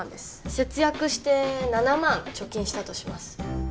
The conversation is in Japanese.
節約して７万貯金したとします